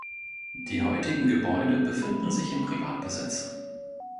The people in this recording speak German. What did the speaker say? Die heutigen Gebäude befinden sich in Privatbesitz.